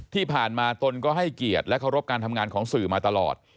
ที่ผ่านมาตนก็ให้เกียรติและเคารพการทำงานของสื่อมาตลอด